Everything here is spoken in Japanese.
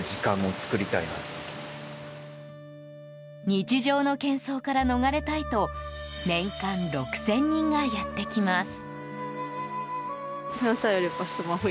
日常の喧騒から逃れたいと年間６０００人がやってきます。